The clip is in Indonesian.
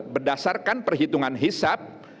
berdasarkan perhitungan hisap